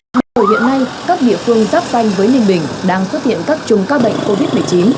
nhưng từ hiện nay các địa phương giáp sanh với ninh bình đang xuất hiện các chung các bệnh covid một mươi chín